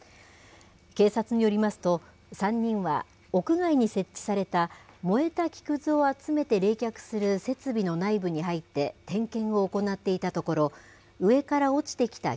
警察によりますと、３人は屋外に設置された燃えた木くずを集めて冷却する設備の内部に入って、点検を行っていたところ、上から落ちてきた